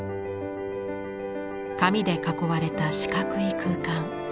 紙で囲われた四角い空間。